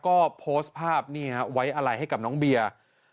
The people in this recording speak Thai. ก็โพสต์ภาพนี่ฮะไว้อะไรให้กับน้องเบียร์